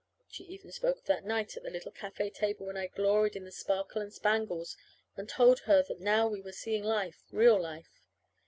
She even spoke of that night at the little cafe table when I gloried in the sparkle and spangles and told her that now we were seeing life real life.